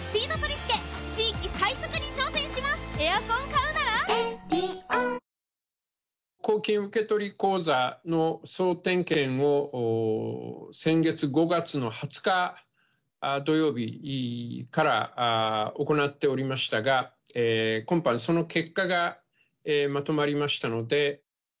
今なら補助金でお得公金受取口座の総点検を先月・５月の２０日土曜日から行っておりましたが、今般、その結果がまとまりましたので。